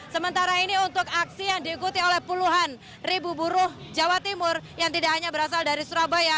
sementara ini untuk aksi yang diikuti oleh puluhan ribu buruh jawa timur yang tidak hanya berasal dari surabaya